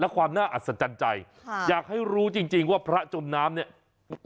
และความน่าอัศจรรย์ใจค่ะอยากให้รู้จริงจริงว่าพระจมน้ำเนี่ย